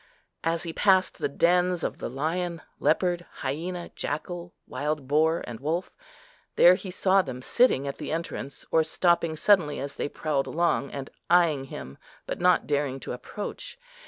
As he passed the dens of the lion, leopard, hyena, jackal, wild boar, and wolf, there he saw them sitting at the entrance, or stopping suddenly as they prowled along, and eyeing him, but not daring to approach.